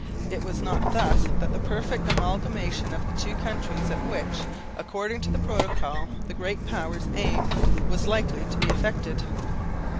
It was not thus that that "perfect amalgamation" of the two countries, at which, according to the protocol, the Great Powers aimed, was likely to be effected.